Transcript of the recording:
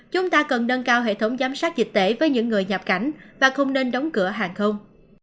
chúng ta cần nâng cao hệ thống giám sát dịch tễ với những người nhập cảnh và không nên đóng cửa hàng không